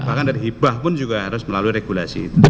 bahkan dari hibah pun juga harus melalui regulasi itu